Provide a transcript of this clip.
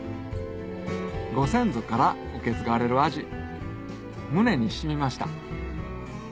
ご先祖から受け継がれる味胸に染みました